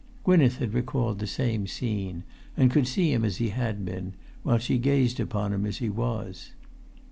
Gwynneth had recalled the same scene, and could see him as he had been, while she gazed upon him as he was.